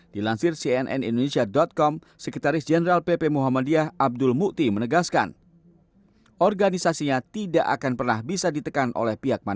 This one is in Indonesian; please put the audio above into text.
dilansir cnn indonesia com